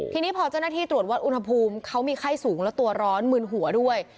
ทีนี้พอเจ้าหน้าที่ตรวจวัดอุณหภูมิเขามีไข้สูงแล้วตัวร้อนมืนหัวด้วย